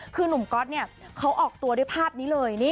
คือหนุ่มก๊อตเขาออกตัวด้วยภาพนี้เลย